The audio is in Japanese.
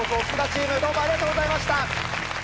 チームどうもありがとうございました。